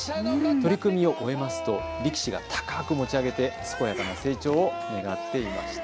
取組を終えますと力士が高く持ち上げて健やかな成長を願っていました。